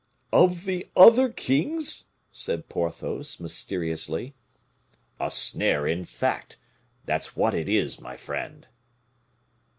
"Of the other king's?" said Porthos, mysteriously. "A snare, in fact! That's what it is, my friend."